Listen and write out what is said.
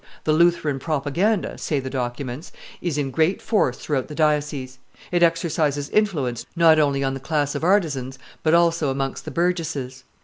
"The Lutheran propaganda," say the documents, "is in great force throughout the diocese; it exercises influence not only on the class of artisans, but also amongst the burgesses.